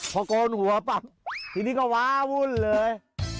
พอโกนหัวปักทีนี้ก็ว้าวุ่นเลย